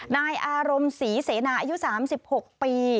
นายอารมณ์ศรีเสนาอายุ๓๖ปี